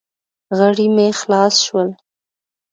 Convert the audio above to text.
غړي مې خلاص شول.